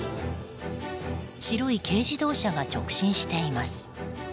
白い軽自動車が直進しています。